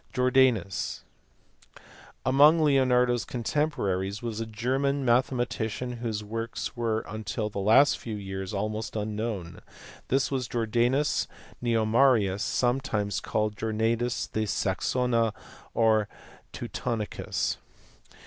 Jordanus*. Among Leonardo s contemporaries was a German mathematician, whose works were until the last few years almost unknown. This was Jordanus Nemorarius, sometimes called Jordanus de Saxonia or Teutonicus.